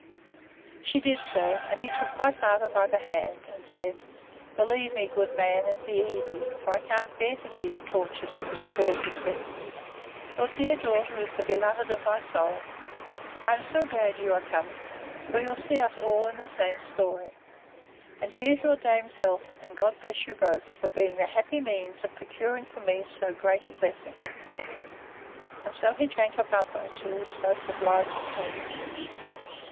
She did so; and he took my father by the hand, and said, Believe me, good man, and be easy; for I can't bear to see you tortured in this cruel suspense: Your dear daughter is the beloved of my soul. I am glad you are come: for you'll see us all in the same story. And here's your dame's health; and God bless you both, for being the happy means of procuring for me so great a blessing! And so he drank a bumper to this most obliging health.